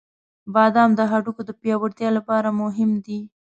• بادام د هډوکو د پیاوړتیا لپاره مهم دی.